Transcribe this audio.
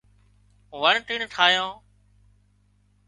وڻ ٽڻ ٺاهيان